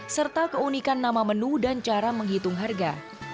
serta keunikan nama menu dan cara menghitung harga